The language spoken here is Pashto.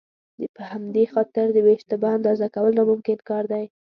په همدې خاطر د بې اشتباه اندازه کول ناممکن کار دی.